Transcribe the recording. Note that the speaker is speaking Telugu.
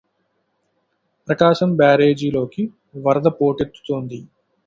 ప్రకాశం బ్యారేజిలోకి వరద పోటెత్తుతోంది